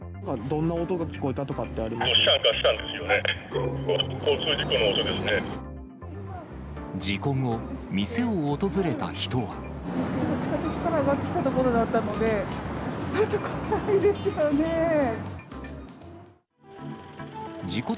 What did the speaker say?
どんな音が聞こえたとかってあります？